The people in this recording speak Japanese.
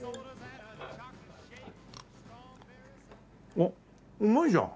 おっうまいじゃん！